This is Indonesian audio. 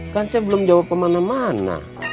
kan saya belum jawab kemana mana